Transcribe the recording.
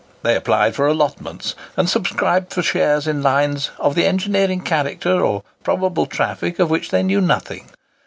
They applied for allotments, and subscribed for shares in lines, of the engineering character or probable traffic of which they knew nothing.